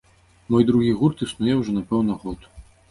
Мой другі гурт існуе ўжо, напэўна, год.